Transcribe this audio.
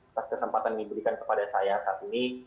atas kesempatan yang diberikan kepada saya saat ini